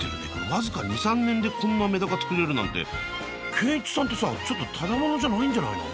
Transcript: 僅か２３年でこんなメダカつくれるなんて賢一さんってさちょっとただ者じゃないんじゃないの。